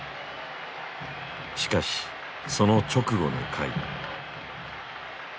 しかしその直後の回。